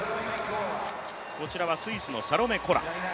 こちらはスイスのサロメ・コラ。